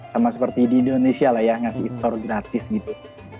sama seperti di indonesia lah ya ngasih impor gratis gitu